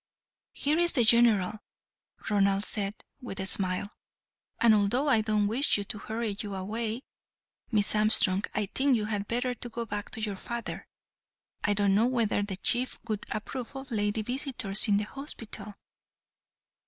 "Here is the General," Ronald said, with a smile, "and although I don't wish to hurry you away, Miss Armstrong, I think you had better go back to your father. I don't know whether the Chief would approve of lady visitors in the hospital."